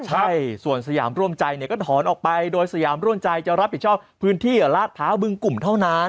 ใช่ส่วนสยามร่วมใจเนี่ยก็ถอนออกไปโดยสยามร่วมใจจะรับผิดชอบพื้นที่ลาดพร้าวบึงกลุ่มเท่านั้น